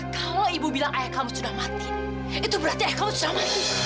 kalau ibu bilang ayah kamu sudah mati itu berarti ayah kamu bisa mati